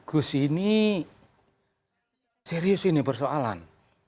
gus ini serius ini persoalan